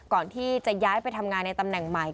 ก่อนที่จะย้ายไปทำงานในตำแหน่งใหม่